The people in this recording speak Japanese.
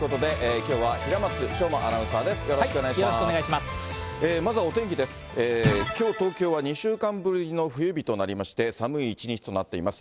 きょう東京は、２週間ぶりの冬日となりまして、寒い一日となっています。